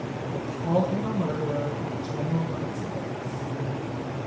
They called him a murderer on general principles.